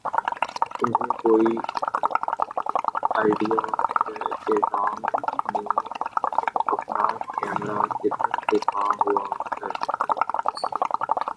تمھیں کوئی آئڈیا ہے کہ ٹام نے اپنا کیمرہ کدھر دکھا ہوا ہے؟